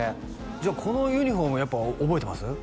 じゃあこのユニフォームやっぱ覚えてます？